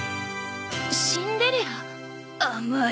『シンデレラ』甘い！